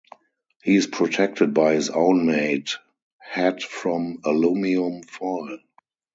He is protected by his own made hat from alumium foil.